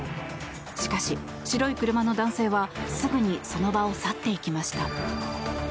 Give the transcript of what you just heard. しかし、白い車の男性はすぐにその場を去っていきました。